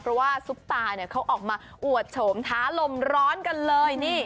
เพราะว่าซุปตาเนี่ยเขาออกมาอวดโฉมท้าลมร้อนกันเลยนี่